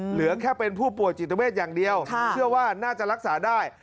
เหลือแค่เป็นผู้ป่วยจิตเวทอย่างเดียวเชื่อว่าน่าจะรักษาได้